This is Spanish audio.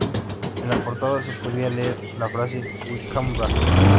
En la portada se podía leer la frase "We came back!